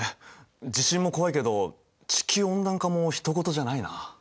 地震も怖いけど地球温暖化もひと事じゃないな。